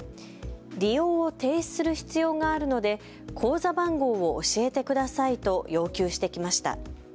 利用を停止する必要があるので口座番号を教えてくださいと要求してきました。